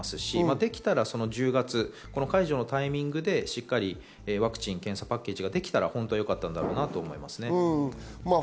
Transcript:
できたら１０月、この解除のタイミングでワクチン・検査パッケージができたら、本当はよかったんだろうなと思いますね。